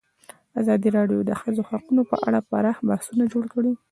ازادي راډیو د د ښځو حقونه په اړه پراخ بحثونه جوړ کړي.